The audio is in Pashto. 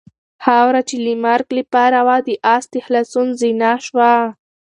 خاوره چې د مرګ لپاره وه د آس د خلاصون زینه شوه.